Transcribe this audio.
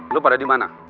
lo pada di mana